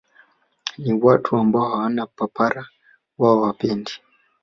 Ni watu ambao hawana papara huwa hawapendi